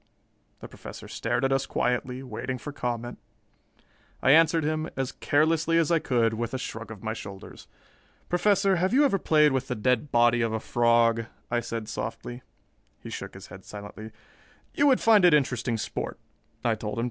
The Professor stared at us quietly, waiting for comment. I answered him, as carelessly as I could, with a shrug of my shoulders. "Professor, have you ever played with the dead body of a frog?" I said softly. He shook his head silently. "You would find it interesting sport," I told him.